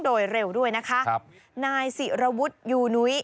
โดยเร็วด้วยนะคะครับนายศิรวุฒิยูนุ้ย